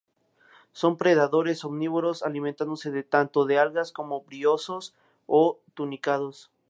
Son predadores omnívoros, alimentándose tanto de algas, como briozoos, o tunicados.